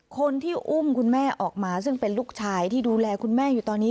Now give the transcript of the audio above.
คนที่อุ้มคุณแม่ออกมาซึ่งเป็นลูกชายที่ดูแลคุณแม่อยู่ตอนนี้